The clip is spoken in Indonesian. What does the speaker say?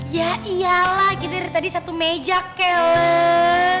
ya iyalah kita dari tadi satu meja kele